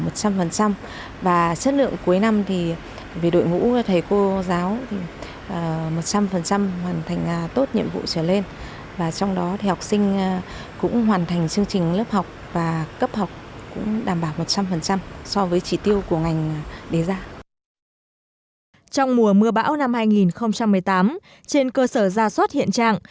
trong mùa mưa bão năm hai nghìn một mươi tám trên cơ sở ra suất hiện trạng